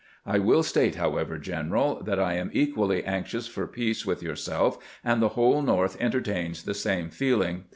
I will state, however, general, that I am equally anxious for peace with yourself, and the whole North entertains the same feeling.